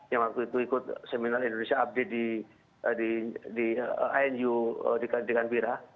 yang waktu itu ikut seminal indonesia update di anu di kandikan bira